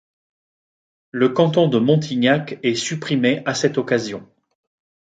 Le canton de Montignac est supprimé à cette occasion.